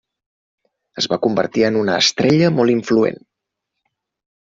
Es va convertir en una estrella molt influent.